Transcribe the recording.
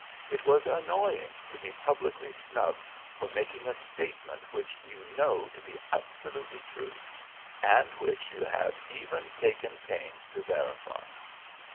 It is annoying to be publicly snubbed for making a statement which you know to be absolutely true, and which you have even taken pains to verify.